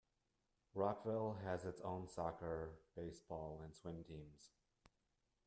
Rockville has its own soccer, baseball and swim teams.